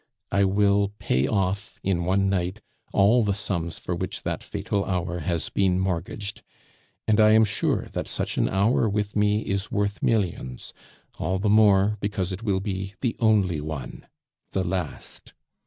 I will pay off in one night all the sums for which that fatal hour has been mortgaged; and I am sure that such an hour with me is worth millions all the more because it will be the only one, the last.